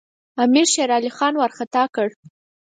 امیر شېرعلي خان وارخطا کړ.